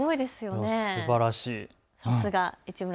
すばらしい。